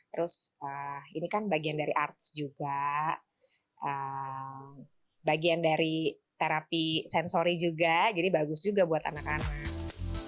terus ini kan bagian dari arts juga bagian dari terapi sensori juga jadi bagus juga buat anak anak